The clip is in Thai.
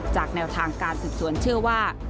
แนวทางการสืบสวนเชื่อว่า